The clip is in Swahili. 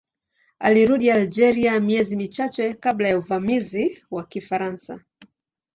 Alirudi Algeria miezi michache kabla ya uvamizi wa Kifaransa.